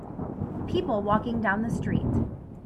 People walking down the street.